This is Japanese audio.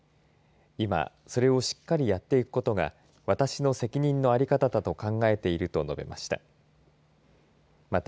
今、それをしっかりやっていくことが私の責任の在り方だと考えていると述べました。